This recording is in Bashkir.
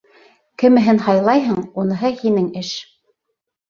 Кемеһен һайлайһың, уныһы һинең эш.